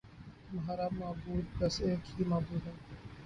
تمہارا معبود بس ایک ہی معبود ہے